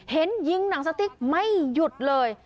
เห็นยิงหนังสติ๊กไม่หยุดเลย